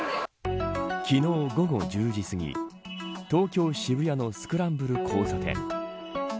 昨日、午後１０時すぎ東京、渋谷のスクランブル交差点。